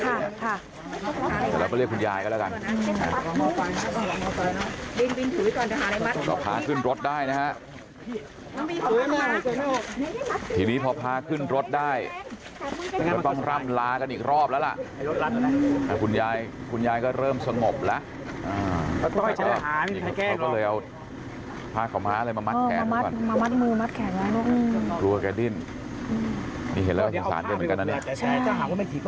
พระเจ้าของพระเจ้าคือพระเจ้าของพระเจ้าคือพระเจ้าของพระเจ้าคือพระเจ้าของพระเจ้าคือพระเจ้าของพระเจ้าคือพระเจ้าของพระเจ้าคือพระเจ้าของพระเจ้าคือพระเจ้าของพระเจ้าคือพระเจ้าของพระเจ้าคือพระเจ้าของพระเจ้าคือพระเจ้าของพระเจ้าคือพระเจ้าของพระเจ้าคือพระเจ้